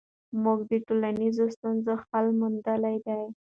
موږ د ټولنیزو ستونزو حل موندلی دی.